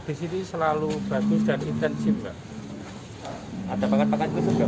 ada ini pak